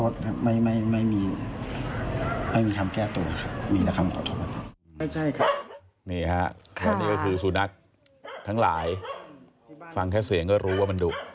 ใช่มันก็เห่าอยู่ตรงนี้